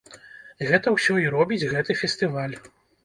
Гэта ўсё і робіць гэты фестываль.